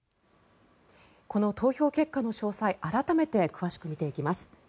この投票結果の詳細改めて詳しく見ていきます。